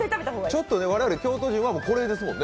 ちょっと我々京都人はこれですもんね。